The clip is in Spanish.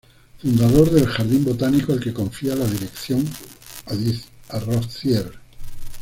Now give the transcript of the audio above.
Fundador del jardín botánico al que confía la dirección a Rozier.